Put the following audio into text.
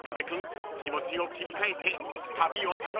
持ちを切り替えて旅を楽しみますよ］